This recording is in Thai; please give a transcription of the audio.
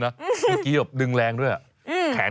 ไซส์ลำไย